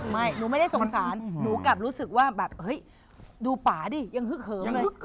หนูไม่ได้สงสารหนูกลับรู้สึกว่าแบบเฮ้ยดูป่าดิยังฮึกเหิมเลย